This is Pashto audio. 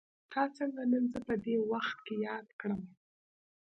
تا څنګه نن زه په دې وخت کې ياد کړم.